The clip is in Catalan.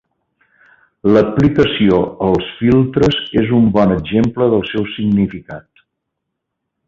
L'aplicació als filtres és un bon exemple del seu significat.